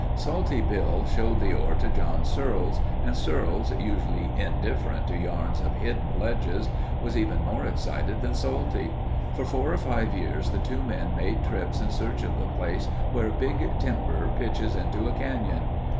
Salty Bill showed the ore to John Searles and Searles, usually indifferent to yarns of hidden ledges, was even more excited than Salty. For four or five years the two men made trips in search of the place where Big Timber pitches into a canyon.